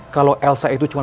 kalau elsa itu cuma